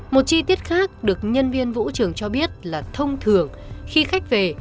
một chi tiết khác được nhân viên vũ trường cho biết là thông thường khi khách về